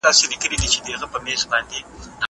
هغه وويل چي انځور روښانه دی!!